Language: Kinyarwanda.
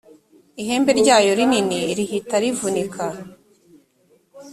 ihembe ryayo rinini rihita rivunika